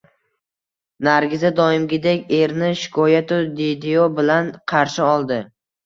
Nargiza doimgidek erini shikoyatu diydiyo bilan qarshi oldi